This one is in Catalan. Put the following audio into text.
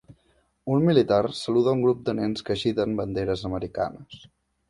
Un militar saluda un grup de nens que agiten banderes americanes.